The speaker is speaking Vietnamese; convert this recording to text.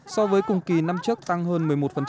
so với cùng kỳ năm trước tăng hơn một mươi một